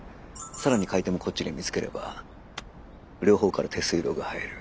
更に買い手もこっちで見つければ両方から手数料が入る。